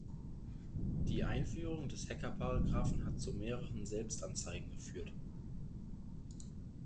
Die Einführung des Hackerparagraphen hat zu mehreren Selbstanzeigen geführt.